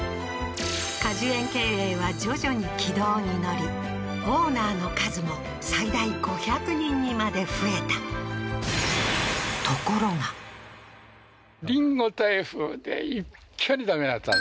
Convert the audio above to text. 果樹園経営は徐々に軌道に乗りオーナーの数も最大５００人にまで増えたあったなーりんご台風？